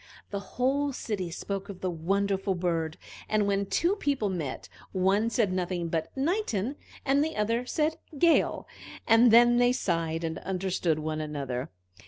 The whole city spoke of the wonderful bird, and when two people met, one said nothing but "Nightin," and the other said "gale"; and then they sighed, and understood one another.